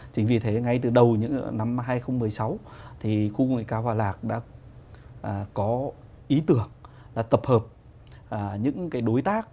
chính vì thế ngay từ đầu năm hai nghìn một mươi sáu khu công nghệ cao hòa lạc đã có ý tưởng tập hợp những đối tác